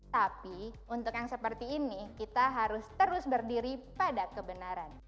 tapi untuk yang seperti ini kita harus terus berdiri pada kebenaran